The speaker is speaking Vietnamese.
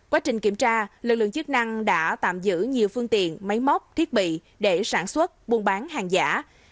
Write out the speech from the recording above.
quá trình kiểm tra lực lượng chức năng đã tạm giữ nhiều phương tiện máy móc thiết bị để sản xuất buôn bán hàng giả